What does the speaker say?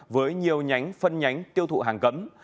với nhiều nhánh phân nhánh tiêu thụ hàng cấm